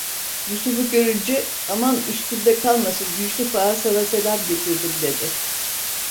Yusuf'u görünce: "Aman üstümde kalmasın, Yusuf Ağa, sana selam getirdim!" dedi.